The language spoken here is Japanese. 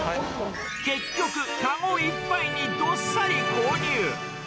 結局、籠いっぱいにどっさり購入。